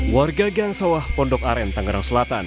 warga gangsawah pondok aren tangerang selatan